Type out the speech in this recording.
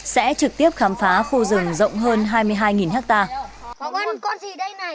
sẽ trực tiếp khám phá khu rừng rộng hơn hai mươi hai hectare